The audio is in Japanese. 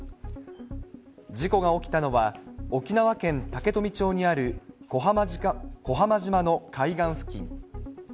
事故が起きたのは、沖縄県竹富町にある小浜島の海岸付近。